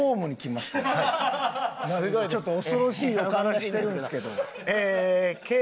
ちょっと恐ろしい予感がしてるんですけど。